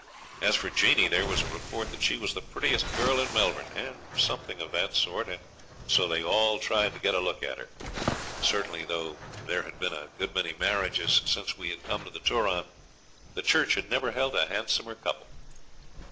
As for Jeanie, there was a report that she was the prettiest girl in Melbourne, and something of that sort, and so they all tried to get a look at her. Certainly, though there had been a good many marriages since we had come to the Turon, the church had never held a handsomer couple.